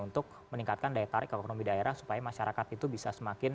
untuk meningkatkan daya tarik ekonomi daerah supaya masyarakat itu bisa semakin